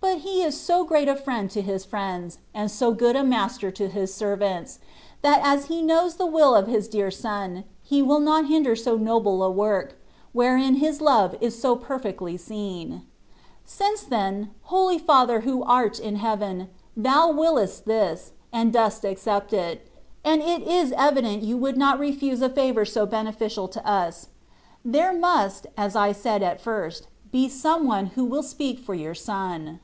But He is so great a friend to His friends, and so good a Master to His servants, that as He knows the will of His dear Son, He will not hinder so noble a work, wherein His love is so perfectly seen. Since, then. Holy Father who art in Heaven, Thou wiliest this, and dost accept it (and it is evident you ^ould not refdse a favour so bene THE IITAT OP PERFECTION. 179 ficial to U8)> there must^ as I said at firsts be some one who will speak for Your Son.